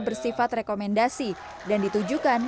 bersifat rekomendasi dan ditujukan